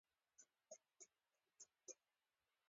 لنډمهالې تفريح وراخوا بل څه ترې لاسته نه راځي.